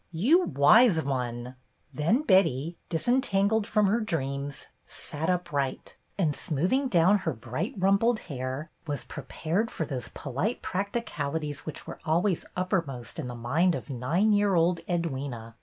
"You, Wise One!" Then Betty, disen tangled from her dreams, sat upright, and, smoothing down her bright rumpled hair, was prepared for those polite practicalities which were always uppermost in the mind of nine year old Edwyna.